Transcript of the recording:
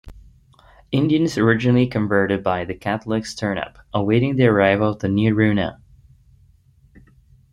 Indians originally converted by the Catholics turn up, awaiting the arrival of the Niaruna.